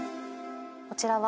こちらは。